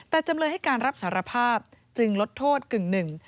แต่จำเลยให้การรับสารภาพจึงลดโทษกึ่งหนึ่ง